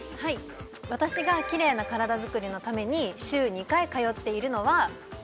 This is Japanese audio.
私がキレイな体作りのために週２回通っているのは？